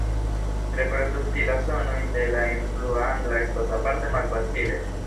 Reprodukti la sonojn de la influa angla estas aparte malfacile.